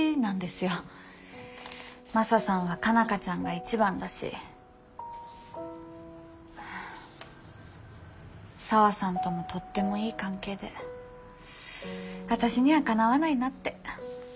マサさんは佳奈花ちゃんが一番だし沙和さんともとってもいい関係で私にはかなわないなって。